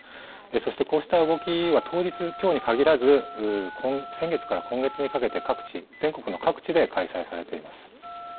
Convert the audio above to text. そしてこうした動きは、当日、きょうに限らず、先月から今月にかけて、各地、全国の各地で開催されています。